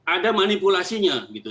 ada manipulasinya gitu